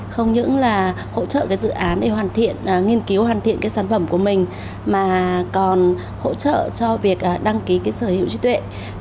không những là hỗ trợ cái dự án để hoàn thiện nghiên cứu hoàn thiện sản phẩm của mình mà còn hỗ trợ cho việc đăng ký sở hữu trí tuệ